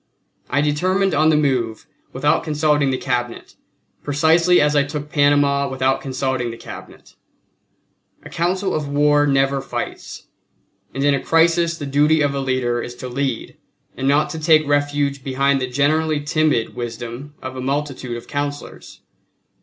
I determined on the move without consulting the Cabinet, precisely as I took Panama without consulting the Cabinet. A council of war never fights, and in a crisis the duty of a leader is to lead and not to take refuge behind the generally timid wisdom of a multitude of councillors.